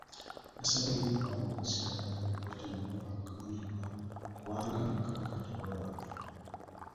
Yasabye abaagala okukozesa ettaka lya Kabaka okuyita mu makubo agamanyiddwa kubanga Kabaka tagoba bantu.